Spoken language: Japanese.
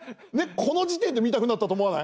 この時点で見たくなったと思わない？